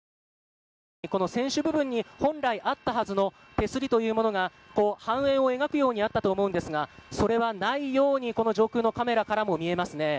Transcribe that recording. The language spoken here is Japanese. この船首部分に本来あったはずの手すりというものが半円を描くようにあったと思うんですがそれはないようにこの上空のカメラからも見えますね。